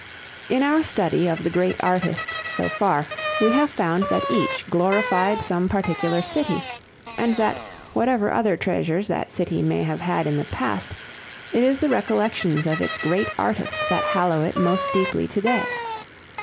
In our study of the great artists so far, we have found that each glorified some particular city and that, whatever other treasures that city may have had in the past, it is the recollections of its great artist that hallow it most deeply today.